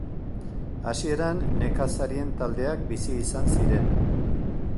Hasieran nekazarien taldeak bizi izan ziren.